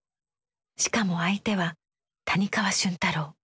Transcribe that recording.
しかも相手は谷川俊太郎。